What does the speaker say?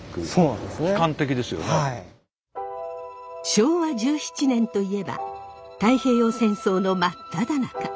昭和１７年といえば太平洋戦争の真っただ中。